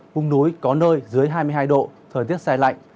vùng núi có nơi dưới hai mươi hai độ thời tiết xe lạnh